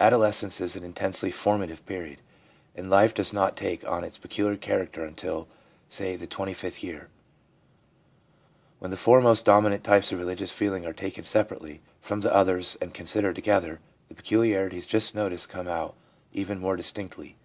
Adolescence is an intensely formative period, and life does not take on its peculiar character until, say, the 25th year. When the four most dominant types of religious feeling are taken separately from the others and considered together, the peculiarities just noticed come out even more distinctly.